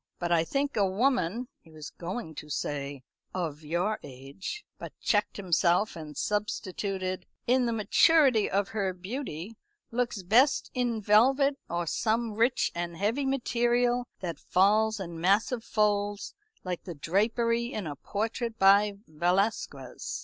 But I think a woman" he was going to say "of your age," but checked himself and substituted "in the maturity of her beauty looks best in velvet, or some rich and heavy material that falls in massive folds, like the drapery in a portrait by Velasquez.